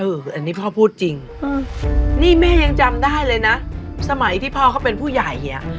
อันนี้พ่อพูดจริงนี่แม่ยังจำได้เลยนะสมัยที่พ่อเขาเป็นผู้ใหญ่อ่ะ